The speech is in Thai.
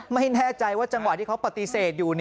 ไม่แน่ใจว่าจังหวะที่เขาปฏิเสธอยู่